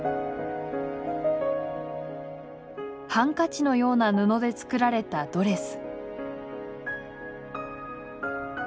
ハンカチのような布で作られたドレス。